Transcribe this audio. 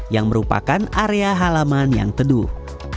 dan juga ada area halaman yang teduh